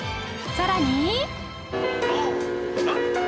さらに